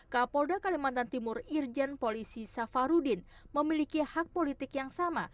kapolda kalimantan timur irjen polisi safarudin memiliki hak politik yang sama